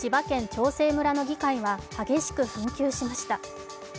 長生村の議会は激しく紛糾しました。